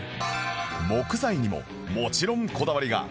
木材にももちろんこだわりが